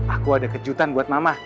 aku ada kejutan buat mama